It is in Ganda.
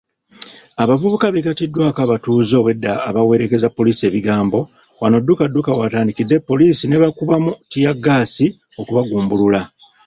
Abavubuka beegattiddwako abatuuze obwedda abawerekeza poliisi ebigambo wano ddukadduka w'atandikidde poliisi nebakubamu ttiyaggaasi okubagumbulula.